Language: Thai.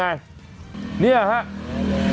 จัดกระบวนพร้อมกัน